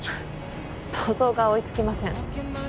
想像が追いつきません